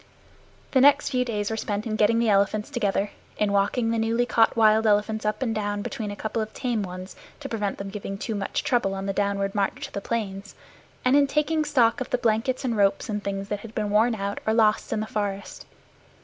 The next few days were spent in getting the elephants together, in walking the newly caught wild elephants up and down between a couple of tame ones to prevent them giving too much trouble on the downward march to the plains, and in taking stock of the blankets and ropes and things that had been worn out or lost in the forest.